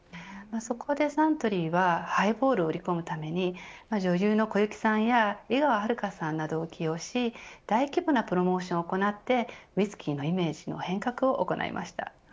そこでサントリーはハイボールを売り込むために女優の小雪さんや井川遥さんなどを起用し大規模なプロモーションを行ってウイスキーのイメージの変革を行いました。